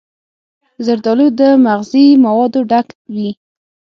زردالو له مغذي موادو ډک وي.